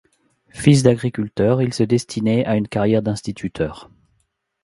Fils d'agriculteurs, il se destinait à une carrière d'instituteur.